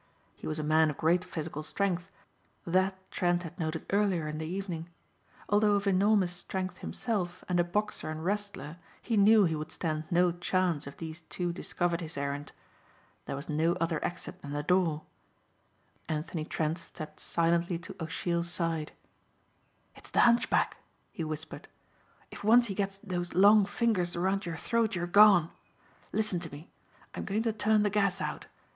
He was a man of great physical strength, that Trent had noted earlier in the evening. Although of enormous strength himself, and a boxer and wrestler, he knew he would stand no chance if these two discovered his errand. There was no other exit than the door. Anthony Trent stepped silently to O'Sheill's side. "It's the Hunchback," he whispered. "If once he gets those long fingers around your throat you're gone. Listen to me. I'm going to turn the gas out.